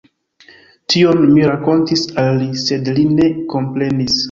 Tion mi rakontis al li, sed li ne komprenis.